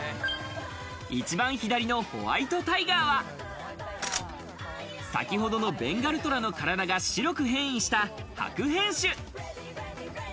一番左のホワイトタイガーは、先ほどのベンガルトラの体が白く変異した白変種。